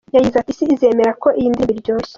Yagize ati :”Isi izemera ko iyi ndirimbo iryoshye”.